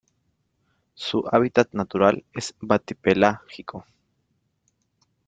Su hábitat natural es batipelágico.